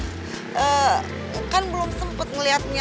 saya belum sempat ngeliatnya